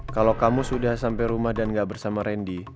kalau kamu sudah sampai rumah dan gak bersama randy